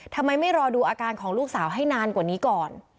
ทำไมไม่รอดูอาการของลูกสาวให้นานกว่านี้ก่อน